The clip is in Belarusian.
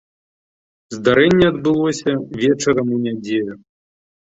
Здарэнне адбылося вечарам у нядзелю.